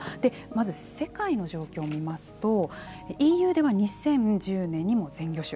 まず、世界の状況を見ますとＥＵでは２０１０年に全魚種。